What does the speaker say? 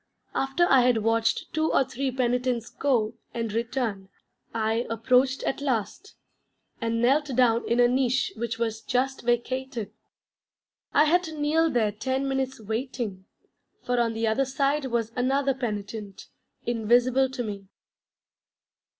After I had watched two or three penitents go, and return, I approached at last, and knelt down in a niche which was just vacated. I had to kneel there ten minutes waiting, for on the other side was another penitent, invisible to me.